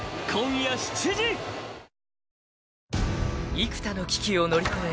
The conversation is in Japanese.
［幾多の危機を乗り越え